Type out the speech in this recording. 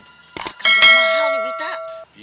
akan berbahaya nih berita